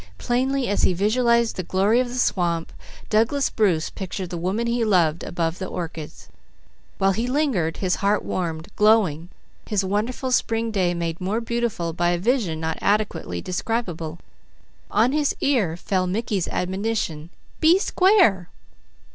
Plainly as he visualized the glory of the swamp, Douglas Bruce pictured the woman he loved above the orchids. While he lingered, his heart warmed, glowing, his wonderful spring day made more wonderful by a vision not adequately describable, on his ear fell Mickey's admonition: "Be square!"